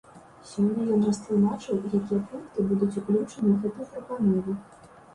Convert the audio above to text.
Сёння ён растлумачыў, якія пункты будуць уключаны ў гэтую прапанову.